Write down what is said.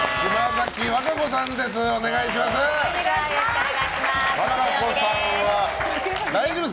お願いします。